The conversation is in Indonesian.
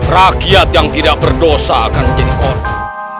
rakyat yang tidak berdosa akan menjadi korban